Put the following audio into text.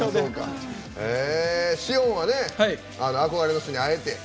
汐恩は憧れの人に会えて。